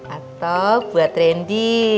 atau buat randy